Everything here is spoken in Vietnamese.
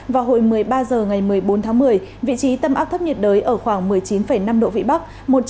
vào hồi một mươi ba h ngày một mươi bốn tháng một mươi vị trí tâm áp thấp nhiệt đới ở khoảng một mươi chín năm độ vĩ bắc